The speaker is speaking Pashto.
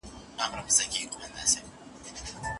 په يوه سورت کي مسلسله، منظمه او بشپړه را نازله سوې ده.